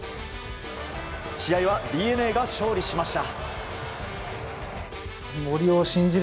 試合はＤｅＮＡが勝利しました。